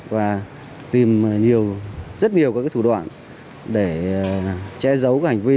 và tìm rất nhiều các thủ đoạn để che giấu hành vi